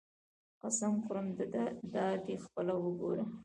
قسم خورم دادی خپله وګوره.